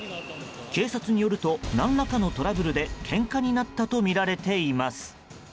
警察によると何らかのトラブルでけんかになったとみられています。